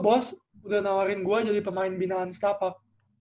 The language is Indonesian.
bos udah nawarin gue jadi pemain binaan stapak